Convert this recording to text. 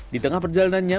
di tengah perjalanannya